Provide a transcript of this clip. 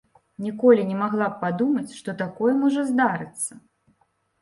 Ніколі не магла б падумаць, што такое можа здарыцца.